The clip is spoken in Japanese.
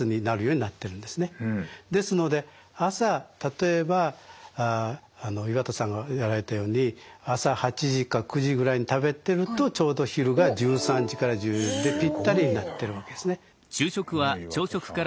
ですので朝例えば岩田さんがやられたように朝８時か９時ぐらいに食べてるとちょうど昼が１３時から１４時でぴったりになってるわけですね。